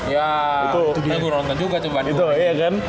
itu gue nonton juga tuh bandung